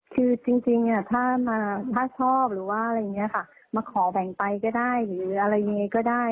คือจริงล่ะถ้าชอบมาขอแบ่งไปก็ได้ทุกอย่างก็ได้